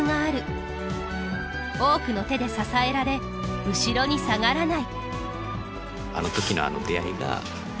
多くの手で支えられ後ろに下がらない。